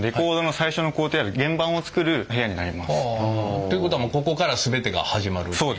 ということはもうここから全てが始まるっていう？